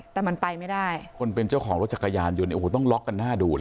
แต่มันไปไม่ได้คนเป็นเจ้าของรถจักรยานยนต์เนี่ยโอ้โหต้องล็อกกันหน้าดูเลย